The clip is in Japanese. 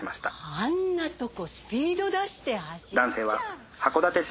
あんなとこスピード出して走っちゃ。